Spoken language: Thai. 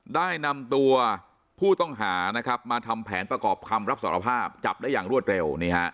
ได้นำตัวผู้ต้องหานะครับมาทำแผนประกอบคำรับสารภาพจับได้อย่างรวดเร็ว